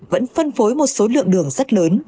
vẫn phân phối một số lượng đường rất lớn